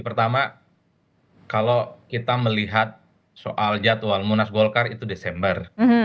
pertama kalau kita melihat soal jadwal munas golkar itu desember